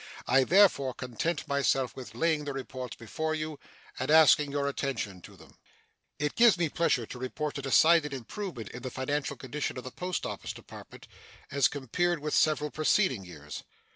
I therefore content myself with laying the reports before you and asking your attention to them. It gives me pleasure to report a decided improvement in the financial condition of the Post Office Department as compared with several preceding years.